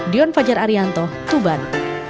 dion fajar arianto tuban